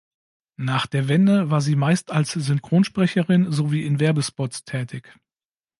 Nach der Wende war sie meist als Synchronsprecherin sowie in Werbespots tätig.